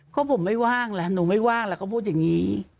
เพราะผมไม่ว่างหนูไม่ว่างล่ะก็พูดอย่างนี้